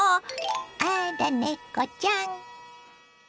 あらネコちゃん！